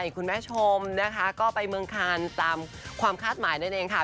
คุณผู้ชมนะคะก็ไปเมืองคานตามความคาดหมายนั่นเองค่ะ